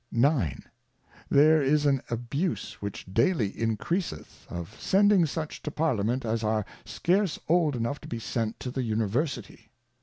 IX. There is an Abuse which daily increaseth, of sending such to Parliament, as are scarce old enough to be sent to the University.